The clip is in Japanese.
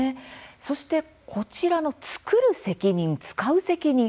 そしてこちらのつくる責任つかう責任